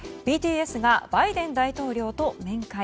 ＢＴＳがバイデン大統領と面会。